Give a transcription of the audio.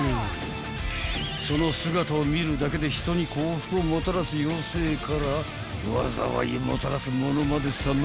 ［その姿を見るだけで人に幸福をもたらす妖精から災いをもたらすものまで様々］